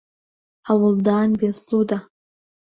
هەوڵدان بێسوودە.